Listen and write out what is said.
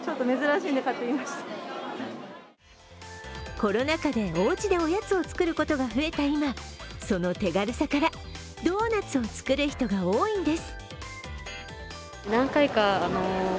コロナ禍でおうちでおやつを作ることが増えた今、その手軽さから、ドーナツを作る人が多いんです。